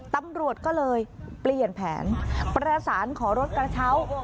ตำรวจก็เลยเปลี่ยนแผนประสานขอรถกระเช้า